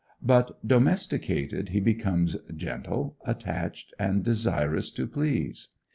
But domesticated he becomes gentle, attached, and desirous to please.